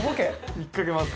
引っかけます。